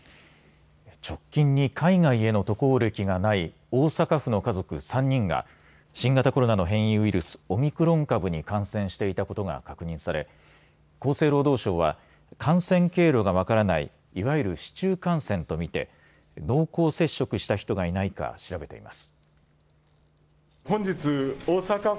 直近に海外への渡航歴がない大阪府の家族３人が新型コロナの変異ウイルス、オミクロン株に感染していたことが確認され厚生労働省は感染経路が分からないいわゆる市中感染と見て濃厚接触した人がいないか調べています。